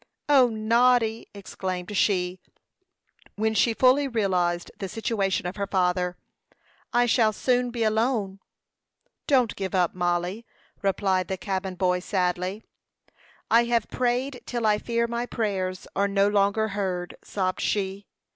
"O, Noddy," exclaimed she, when she fully realized the situation of her father, "I shall soon be alone." "Don't give up, Mollie," replied the cabin boy sadly. "I have prayed till I fear my prayers are no longer heard," sobbed she.